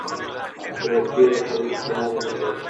صدقې د ټولني کینه له منځه وړي.